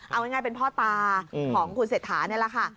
เอาง่ายเป็นพ่อตาของคุณเศรษฐานี่แหละค่ะ